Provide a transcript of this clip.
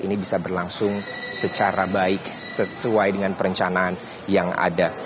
ini bisa berlangsung secara baik sesuai dengan perencanaan yang ada